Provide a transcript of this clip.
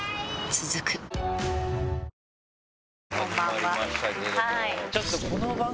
続く始まりましたけども。